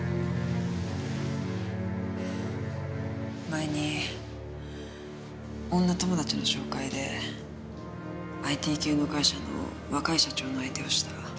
前に女友達の紹介でＩＴ系の会社の若い社長の相手をした。